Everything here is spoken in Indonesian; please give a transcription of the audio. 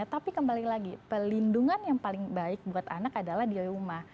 tapi kembali lagi pelindungan yang paling baik buat anak adalah di rumah